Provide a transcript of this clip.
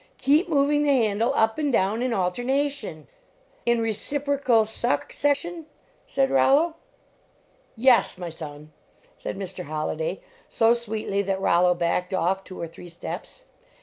Keep moving the handle up and down in alterna tion!" "In reciprocal suck session? " said Rollo. "Yes, my son," said Mr. Holliday, so sweetly that Rollo backed off two or three steps.